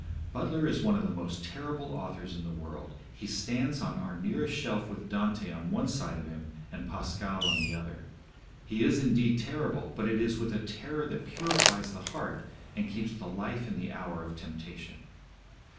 Butler is one of the most terrible authors in the world. He stands on our nearest shelf with Dante on one side of him and Pascal on the other. He is indeed terrible, but it is with a terror that purifies the heart and keeps the life in the hour of temptation.